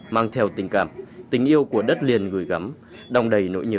mang theo tình cảm tình yêu của đất liền gửi gắm đong đầy nỗi nhớ